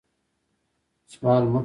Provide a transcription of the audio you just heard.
سوال مه کوئ